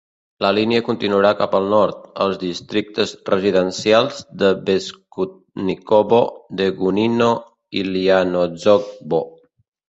La línia continuarà cap al nord, als districtes residencials de Beskudnikovo, Degunino i Lianozovo.